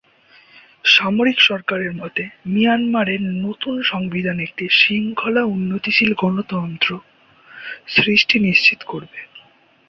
সামরিক সরকারের মতে, মিয়ানমারের নতুন সংবিধান একটি "শৃঙ্খলা-উন্নতিশীল গণতন্ত্র" সৃষ্টি নিশ্চিত করবে।